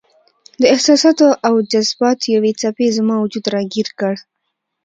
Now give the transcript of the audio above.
د احساساتو او جذباتو یوې څپې زما وجود راګیر کړ.